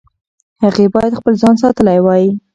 هغې باید خپل ځان ساتلی وای.